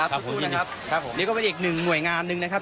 สักครู่นะครับผมนี่ก็เป็นอีกหนึ่งหน่วยงานหนึ่งนะครับ